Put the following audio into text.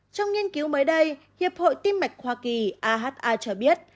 trong nghiên cứu mới đây hiệp hội tim mạch hoa kỳ aha cho biết